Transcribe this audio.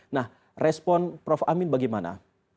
nah respon prof amin bagaimana